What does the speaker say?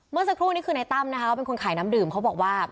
เมื่อสักครู่นี้คือนายตั้มนะคะเขาเป็นคนขายน้ำดื่มเขาบอกว่า